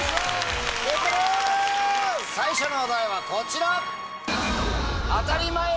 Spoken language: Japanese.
最初のお題はこちら！